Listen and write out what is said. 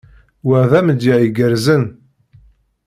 Wa d amedya igerrzen.